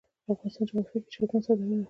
د افغانستان جغرافیه کې چرګان ستر اهمیت لري.